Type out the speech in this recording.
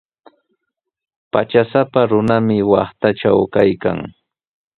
Patrasapa runami waqtatraw kaykan.